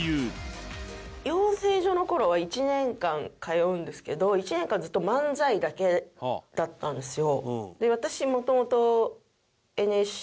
養成所の頃は１年間通うんですけど１年間ずっと漫才だけだったんですよ。